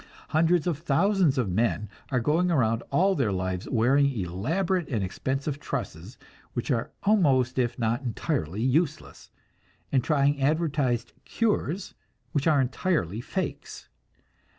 Hundreds of thousands of men are going around all their lives wearing elaborate and expensive trusses which are almost, if not entirely useless, and trying advertised "cures" which are entirely fakes.